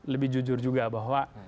lebih jujur juga bahwa